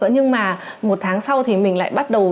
nhưng mà một tháng sau thì mình lại bắt đầu